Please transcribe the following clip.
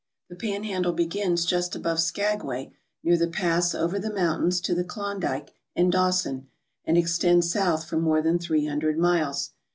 The Panhandle begins just atove Skagway near the pass over the mountains to the Klondike and Dawson, and extends south for more than thrte hundred miles.